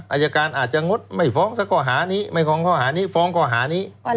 อายการอาจจะงดไม่ฟ้องสักข้อหานี้ไม่ฟ้องข้อหานี้ฟ้องข้อหานี้